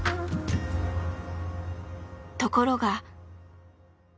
ところが。